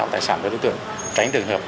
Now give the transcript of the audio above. tài sản cho đối tượng tránh trường hợp